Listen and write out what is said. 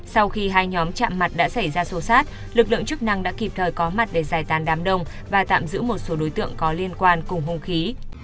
sau khi hai nhóm chạm mặt đã xảy ra sâu sát lực lượng chức năng đã kịp thời có mặt để giải tán đám đông và tạm giữ một số đối tượng có liên quan cùng hung khí